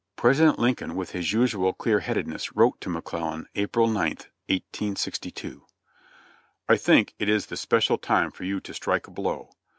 President Lincoln, with his usual clear headedness, wrote to McClellan April 9th, 1862: "I think it is the special time for you to strike a blow.